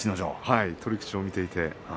取り口を見ていて。